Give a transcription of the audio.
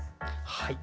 はい。